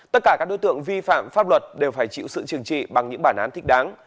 tất cả các đối tượng vi phạm pháp luật đều phải chịu sự trừng trị bằng những bản án thích đáng